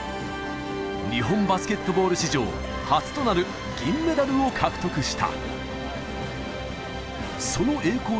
日本バスケットボール史上初となる銀メダルを獲得した。